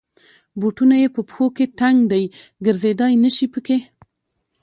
بوټونه یې په پښو کې تنګ دی. ګرځېدای نشی پکې.